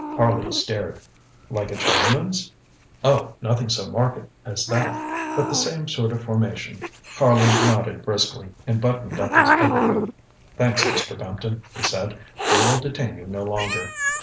ŌĆØ Harley stared. ŌĆ£Like a Chinaman's? ŌĆØ ŌĆ£Oh, nothing so marked as that. But the same sort of formation. ŌĆØ Harley nodded briskly and buttoned up his overcoat. ŌĆ£Thanks, Mr. Bampton, ŌĆØ he said; ŌĆ£we will detain you no longer!